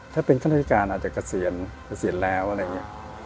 ถ้าเป็นข้าราชการอาจจะเกษียณเกษียณแล้วอะไรอย่างนี้